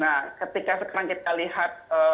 nah ketika sekarang kita lihat itu terjadi lebih banyak